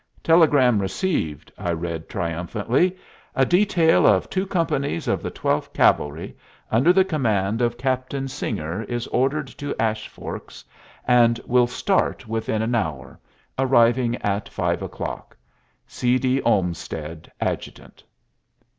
"Telegram received," I read triumphantly. "A detail of two companies of the Twelfth Cavalry, under the command of Captain Singer, is ordered to Ash Forks, and will start within an hour, arriving at five o'clock. C. D. OLMSTEAD, Adjutant."